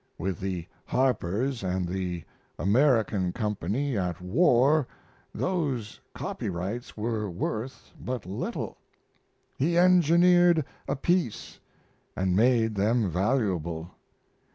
With the Harpers and the American Company at war those copyrights were worth but little; he engineered a peace and made them valuable.